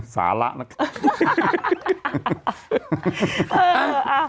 สาระนะครับ